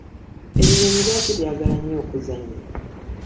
Ebinyonyi lwaki byagala nnyo okuzannya?